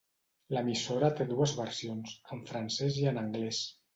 L'emissora té dues versions: en francès i en anglès.